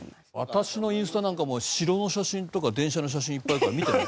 私のインスタなんか城の写真とか電車の写真いっぱいあるから見てみ。